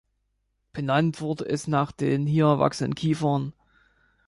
Benannt wurde es nach den hier wachsenden Kiefern.